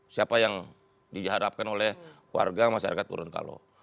siapa yang dihadapkan oleh keluarga masyarakat gorontalo